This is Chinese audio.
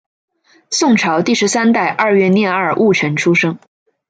宋朝第十三代二月廿二戊辰出生。